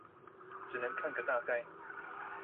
只能看個大概